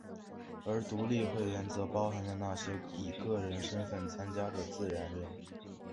而独立会员则包含了那些以个人身份参加的自然人。